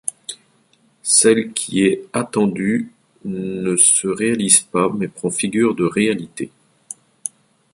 Celle qui est attendue ne se réalise pas mais prend figure de réalité.